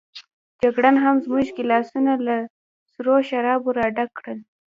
جګړن هم زموږ ګیلاسونه له سرو شرابو راډک کړل.